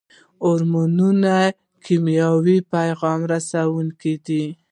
هورمونونه کیمیاوي پیغام رسوونکي دي